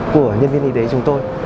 của nhân viên y tế chúng tôi